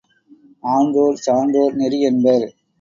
ஆன்றோர், சான்றோர் நெறி என்பர்!